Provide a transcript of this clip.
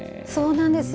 そうなんですよ